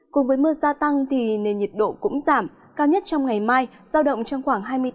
cùng với mưa gia tăng thì nền nhiệt độ cũng giảm cao nhất trong ngày mai